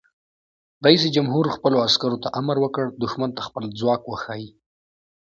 رئیس جمهور خپلو عسکرو ته امر وکړ؛ دښمن ته خپل ځواک وښایئ!